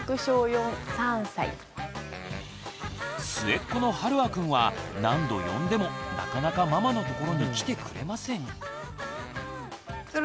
末っ子のはるあくんは何度呼んでもなかなかママのところに来てくれません。